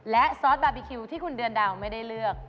และซอสบาร์บีคิวที่คุณเดือนดาวไม่ได้เลือก